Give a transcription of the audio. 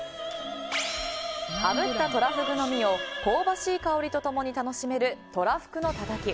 あぶったトラフグの身を香ばしい香りと共に楽しめるとらふくのたたき。